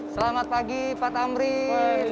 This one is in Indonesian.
selamat pagi pak tamrin